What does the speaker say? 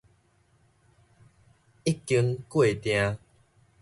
已經過定